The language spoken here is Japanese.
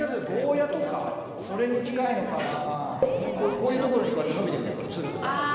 こういうところにこうやって伸びてくツルみたいになって。